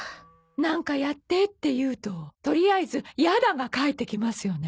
なんかやってって言うととりあえず「やだ」が返ってきますよね。